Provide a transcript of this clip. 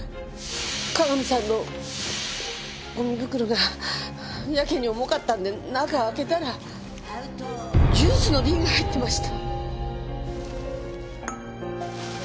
各務さんのゴミ袋がやけに重かったんで中を開けたらジュースの瓶が入ってました。